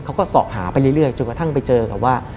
เขาก็สอบหาไปเรื่อยจนกระทั่งไปเจอกับว่า